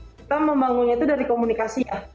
kita membangunnya itu dari komunikasi ya